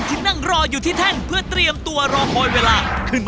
พี่หนูตีคะรับกวน